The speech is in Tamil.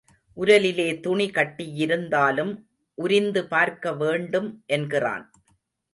உரலிலே துணி கட்டியிருந்தாலும் உரிந்து பார்க்கவேண்டும் என்கிறான்.